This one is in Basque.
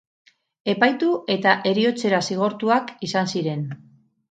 Epaitu eta heriotzera zigortuak izan ziren.